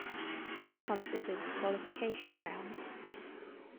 This is considered the qualification round.